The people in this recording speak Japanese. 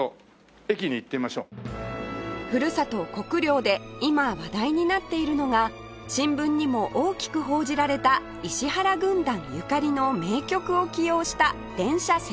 ふるさと国領で今話題になっているのが新聞にも大きく報じられた石原軍団ゆかりの名曲を起用した電車接近メロディー